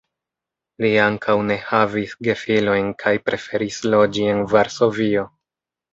Li ankaŭ ne havis gefilojn kaj preferis loĝi en Varsovio.